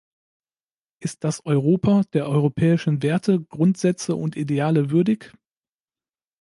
Ist das Europa, der europäischen Werte, Grundsätze und Ideale würdig?